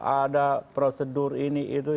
ada prosedur ini itu